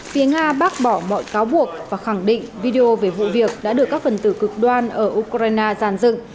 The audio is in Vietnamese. phía nga bác bỏ mọi cáo buộc và khẳng định video về vụ việc đã được các phần tử cực đoan ở ukraine giàn dựng